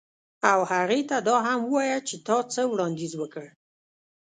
او هغې ته دا هم ووایه چې تا څه وړاندیز وکړ